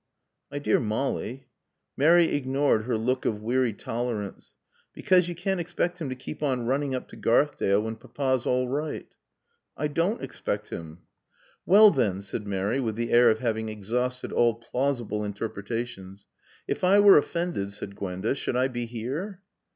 "My dear Molly " Mary ignored her look of weary tolerance. "Because you can't expect him to keep on running up to Garthdale when Papa's all right." "I don't expect him." "Well then !" said Mary with the air of having exhausted all plausible interpretations. "If I were offended," said Gwenda, "should I be here?"